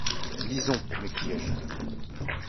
Lisons », m’écriai-je